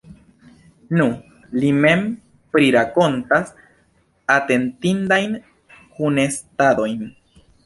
Nu, li mem prirakontas atentindajn kunestadojn.